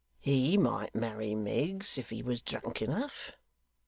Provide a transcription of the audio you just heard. He might marry Miggs, if he was drunk enough.